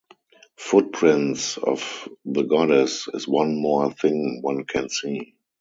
Footprints of the Goddess is one more thing one can see.